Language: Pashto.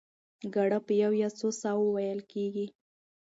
ګړه په یوه یا څو ساه وو وېل کېږي.